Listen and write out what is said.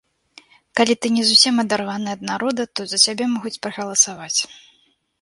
Калі ты не зусім адарваны ад народа, то за цябе могуць прагаласаваць.